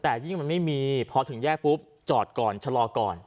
แต่ยิ่งมันไม่มีพอถึงแยกปุ๊บจอดก่อนชะลอก่อน